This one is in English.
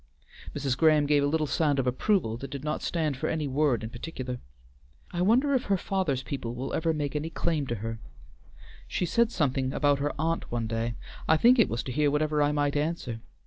Mrs. Graham gave a little sound of approval that did not stand for any word in particular: "I wonder if her father's people will ever make any claim to her? She said something about her aunt one day; I think it was to hear whatever I might answer.